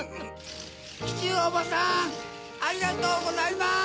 シチューおばさんありがとうございます！